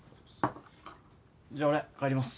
じゃ俺帰ります。